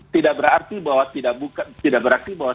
tidak berarti bahwa